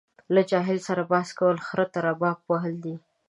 له جاهل سره بحث کول خره ته رباب وهل دي.